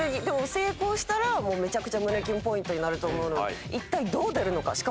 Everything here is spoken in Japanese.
でも成功したらめちゃくちゃ胸キュンポイントになると思うので一体どう出るのか？